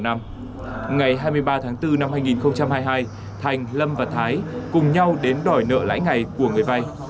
ngày hai mươi ba tháng bốn năm hai nghìn hai mươi hai thành lâm và thái cùng nhau đến đòi nợ lãi ngày của người vay